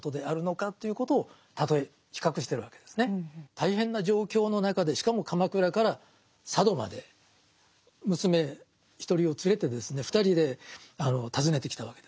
大変な状況の中でしかも鎌倉から佐渡まで娘１人を連れてですね２人で訪ねてきたわけですね。